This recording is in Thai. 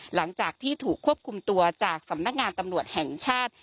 หลังจากที่ถูกควบคุมตัวจากสำนักงานตำรวจแห่งชาติ